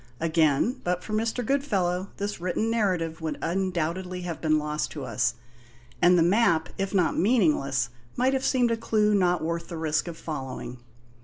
Again, but for Mr. Goodfellow this written narrative would undoubtedly have been lost to us, and the map, if not meaningless, might have seemed a clue not worth the risk of following.